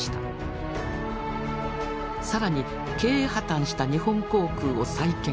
更に経営破綻した日本航空を再建。